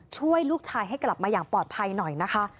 ช่วยลูกชายให้กลับมาอย่างปลอดภัยหน่อยนะคะ